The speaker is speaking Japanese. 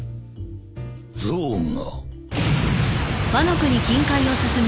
ゾウが。